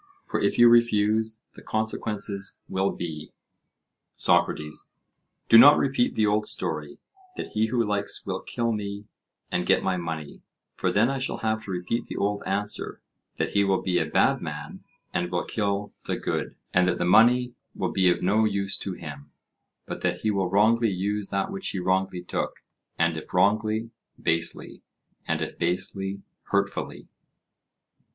For if you refuse, the consequences will be— SOCRATES: Do not repeat the old story—that he who likes will kill me and get my money; for then I shall have to repeat the old answer, that he will be a bad man and will kill the good, and that the money will be of no use to him, but that he will wrongly use that which he wrongly took, and if wrongly, basely, and if basely, hurtfully.